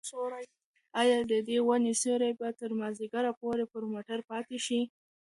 ایا د دې ونې سیوری به تر مازدیګره پورې پر موټر پاتې شي؟